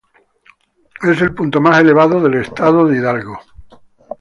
Es el punto más elevado del estado de Hidalgo.